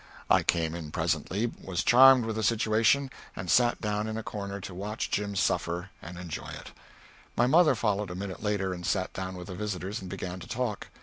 I came in presently, was charmed with the situation, and sat down in a corner to watch Jim suffer, and enjoy it. My mother followed a minute later and sat down with the visitors and began to talk.